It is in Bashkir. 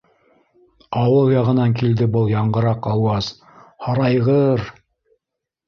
Ауыл яғынан килде был яңғыраҡ ауаз! һарайғыр?!